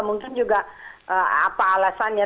mungkin juga apa alasannya